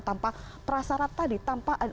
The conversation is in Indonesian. tanpa prasarata ditampak